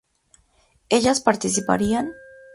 ¿ellas partirían?